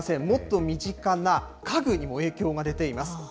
もっと身近な家具にも影響が出ています。